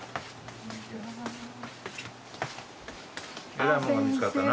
えらいもんが見つかったな。